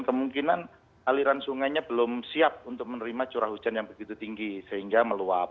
kemungkinan aliran sungainya belum siap untuk menerima curah hujan yang begitu tinggi sehingga meluap